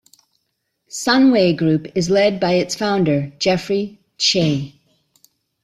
Sunway Group is led by its founder, Jeffrey Cheah.